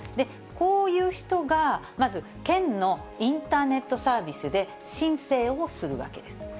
こういう人が、まず県のインターネットサービスで申請をするわけです。